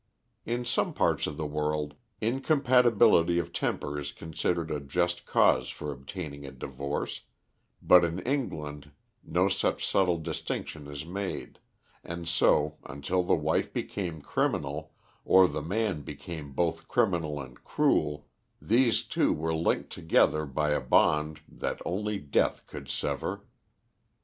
In some parts of the world incompatibility of temper is considered a just cause for obtaining a divorce, but in England no such subtle distinction is made, and so until the wife became criminal, or the man became both criminal and cruel, these two were linked together by a bond that only death could sever.